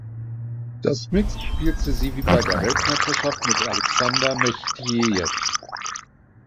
Das Mixed spielte sie wie bei der Weltmeisterschaft mit Alexander Mechdijew.